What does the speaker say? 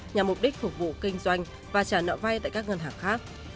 nhằm mục đích phục vụ kinh doanh và trả nợ vay tại các ngân hàng khác